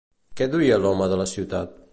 Què duia l'home de la ciutat?